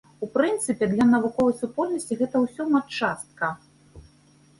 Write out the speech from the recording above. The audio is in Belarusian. У прынцыпе, для навуковай супольнасці гэта ўсё матчастка.